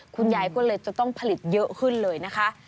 คุณยายก็เลยจะต้องผลิตเยอะขึ้นเลยนะคะ